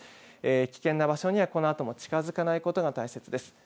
危険な場所には、このあとも近づかないことが大切です。